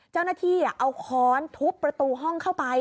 เจ้าหน้าที่เอาค้อนทุบประตูห้องเข้าไป